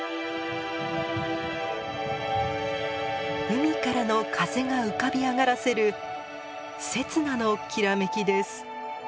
海からの風が浮かび上がらせる刹那のきらめきです。